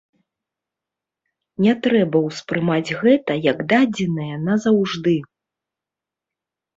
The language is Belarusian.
Не трэба ўспрымаць гэта як дадзенае на заўжды.